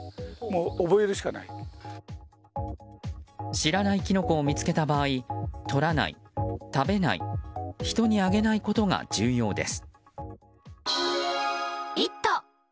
知らないキノコを見つけた場合採らない、食べない人にあげないことが重要です。